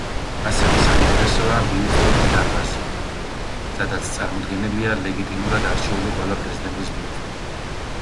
ასევე საინტერესოა ბიუსტების დარბაზი, სადაც წარმოდგენილია ლეგიტიმურად არჩეული ყველა პრეზიდენტის ბიუსტი.